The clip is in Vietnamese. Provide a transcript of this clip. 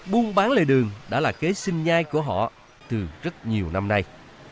buôn bán lề đường đã là kế sinh nhai của họ từ rất nhiều năm nay